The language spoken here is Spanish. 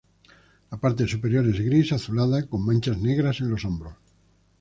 La parte superior es gris azulada, con manchas negras en los hombros.